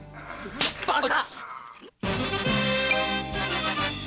バカ！